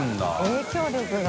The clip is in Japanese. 影響力が。